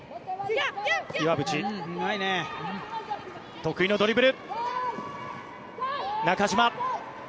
得意のドリブル。